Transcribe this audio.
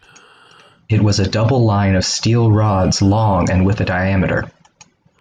It was a double line of steel rods long and with a diameter.